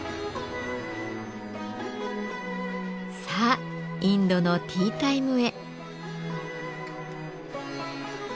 さあインドのティータイムへ。